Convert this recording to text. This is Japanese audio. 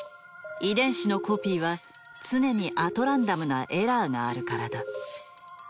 遺伝子のコピーは常にアトランダムなエラーがあるからだ。